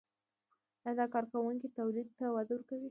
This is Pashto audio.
آیا دا کار کورني تولید ته وده ورکوي؟